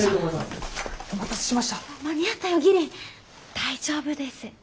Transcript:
大丈夫です。